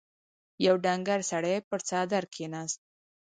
يو ډنګر سړی پر څادر کېناست.